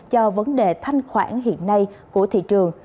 cho vấn đề thanh khoản hiện nay của thị trường